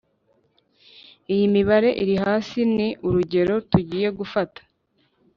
iyi mibare iri hasi ni urugero tugiye gufata,